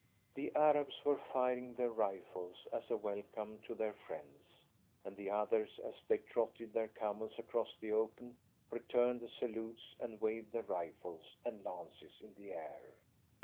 The Arabs were firing their rifles as a welcome to their friends, and the others as they trotted their camels across the open returned the salutes and waved their rifles and lances in the air.